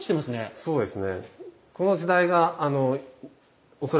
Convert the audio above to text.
そうですね。